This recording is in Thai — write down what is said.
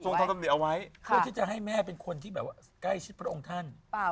ใช่ว่าที่จะให้แม่เป็นคนที่แบบว่าใกล้ชิดพระองค์ท่าน